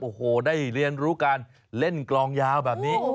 โอ้โหได้เรียนรู้การเล่นกลองยาวแบบนี้